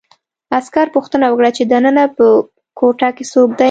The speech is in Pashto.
عسکر پوښتنه وکړه چې دننه په کوټه کې څوک دي